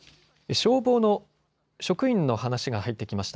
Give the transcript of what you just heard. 消防の職員の話が入ってきました。